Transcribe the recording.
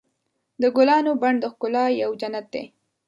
د ګلانو بڼ د ښکلا یو جنت دی.